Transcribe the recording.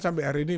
sampai hari ini